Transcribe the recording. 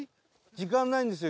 時間ないんですよ